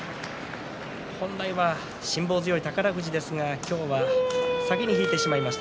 本来は辛抱強い宝富士ですが今日は先に引いてしまいました。